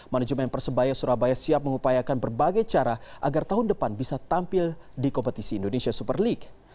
manajemen persebaya surabaya siap mengupayakan berbagai cara agar tahun depan bisa tampil di kompetisi indonesia super league